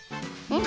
ん？